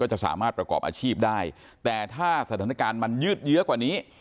จะสามารถประกอบอาชีพได้แต่ถ้าสถานการณ์มันยืดเยอะกว่านี้